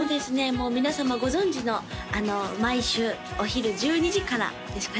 もう皆様ご存じの毎週お昼１２時からですかね